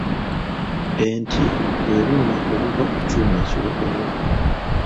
Enti bwe buuma obuva ku kyuma ekiwagalwa.